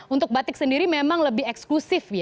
untuk batik sendiri memang lebih eksklusif